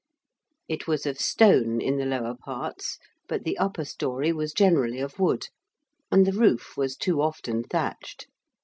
It was of stone in the lower parts, but the upper storey was generally of wood, and the roof was too often thatched.